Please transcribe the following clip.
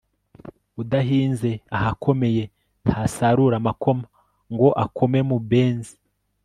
udahinze ahakomeye, ntasarura amakoma ngo akome mu benzi